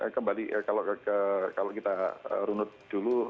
kembali kalau kita runut dulu